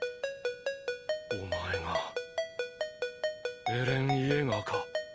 お前がエレン・イェーガーか？